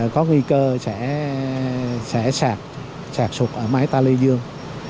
có nguy cơ sẽ sạt sụt ở mái ta lê dương